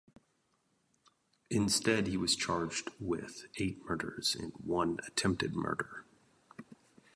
Instead he was charged with eight murders and one attempted murder.